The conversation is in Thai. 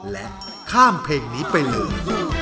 และข้ามเพลงนี้ไปเลย